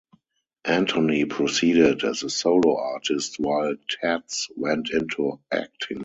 Anthony proceeded as a solo artist while Tats went into acting.